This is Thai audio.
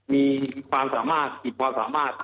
มีความสามารถขีดความสามารถ